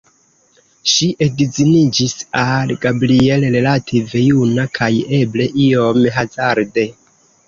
Ŝi edziniĝis al Gabriel relative juna kaj eble iom hazarde.